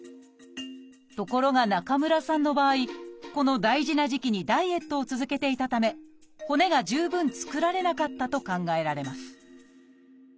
ところが中村さんの場合この大事な時期にダイエットを続けていたため骨が十分作られなかったと考えられます